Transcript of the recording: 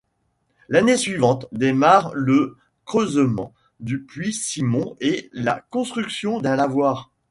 L'année suivante, démarre le creusement du puits Simon et la construction d'un lavoir.